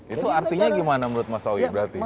itu artinya gimana menurut mas sawi berarti